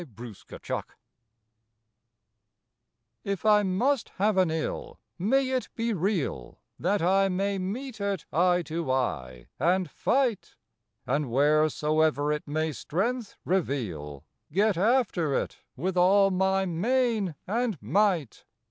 UNREAL TROUBLES TF I must have an ill, may it be real, That I may meet it eye to eye and fight, And wheresoever it may strength reveal Get after it with all my main and might.